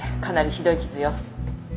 かなりひどい傷よ。